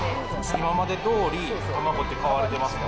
今までどおり卵って買われてますか？